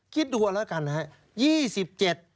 คิดดูเอาแล้วกันนะครับ